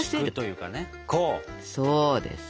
そうです。